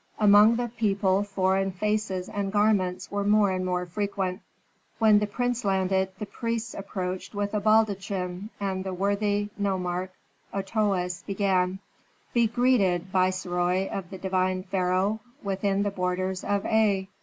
Among the people foreign faces and garments were more and more frequent. When the prince landed, the priests approached with a baldachin, and the worthy nomarch Otoes began, "Be greeted, viceroy of the divine pharaoh, within the borders of Aa.